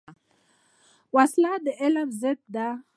وسله د تعلیم ضد ده